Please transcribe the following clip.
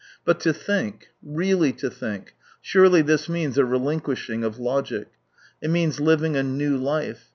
But to think — really to think — surely this means a relinquishing of logic. It means living a new life.